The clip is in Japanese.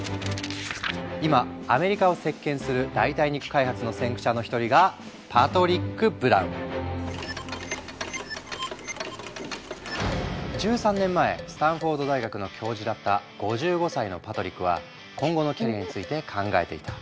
今アメリカを席巻する代替肉開発の先駆者の一人が１３年前スタンフォード大学の教授だった５５歳のパトリックは今後のキャリアについて考えていた。